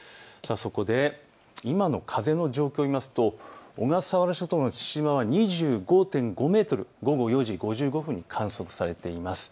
そこで今の風の状況を見ますと小笠原諸島、父島は２５．５メートル、午後４時５５分に観測されています。